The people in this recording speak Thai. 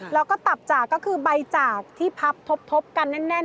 แล้วก็ตับจากก็คือใบจากที่พับทบกันแน่น